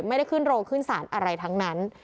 ไม่ได้ขึ้นโรงขึ้นศาลอะไรทั้งนั้น